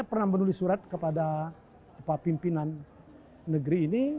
saya pernah menulis surat kepada pimpinan negeri ini